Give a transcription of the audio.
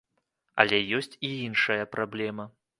Але ёсць і іншая праблема.